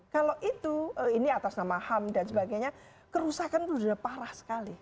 kalau itu ini atas nama ham dan sebagainya kerusakan itu sudah parah sekali